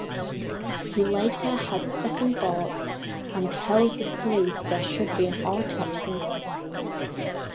He later has second thoughts and tells the police there should be an autopsy.